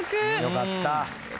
よかった。